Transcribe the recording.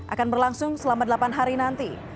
akan berlangsung selama delapan hari nanti